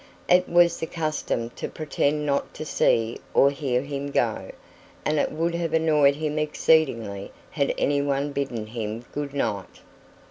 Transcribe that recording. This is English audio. It was the custom to pretend not to see or hear him go, and it would have annoyed him exceedingly had anyone bidden him good night.